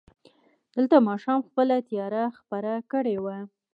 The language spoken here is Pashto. دلته ماښام خپله تياره خپره کړې وه.